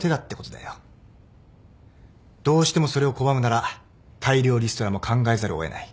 どうしてもそれを拒むなら大量リストラも考えざるを得ない。